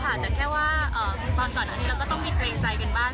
แต่แค่ว่าตอนก่อนอันนี้เราก็ต้องมีเกรงใจกันบ้าง